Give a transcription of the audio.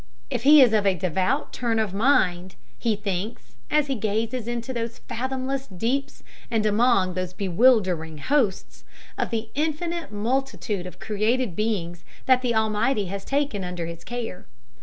If he is of a devout turn of mind, he thinks, as he gazes into those fathomless deeps and among those bewildering hosts, of the infinite multitude of created beings that the Almighty has taken under his care.